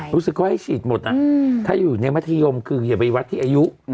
รู้สึกเขาให้ฉีดหมดถ้าอยู่ในมัธยมคืออย่าไปวัดที่อายุ